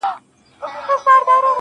o او ته خبر د کوم غریب د کور له حاله یې.